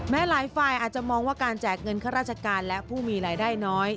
หลายฝ่ายอาจจะมองว่าการแจกเงินข้าราชการและผู้มีรายได้น้อย